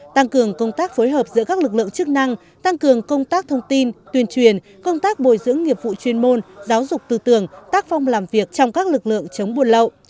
tăng cường công tác phối hợp giữa các lực lượng chức năng tăng cường công tác thông tin tuyên truyền công tác bồi dưỡng nghiệp vụ chuyên môn giáo dục tư tưởng tác phong làm việc trong các lực lượng chống buôn lậu